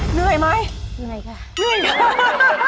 เหนื่อยไหมค่ะเหนื่อย